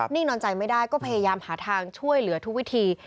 นอนใจไม่ได้ก็พยายามหาทางช่วยเหลือทุกวิธี